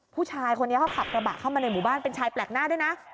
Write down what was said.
ผู้ชายคนนี้เขาขับกระบะเข้ามาในหมู่บ้านเป็นชายแปลกหน้าด้วยนะ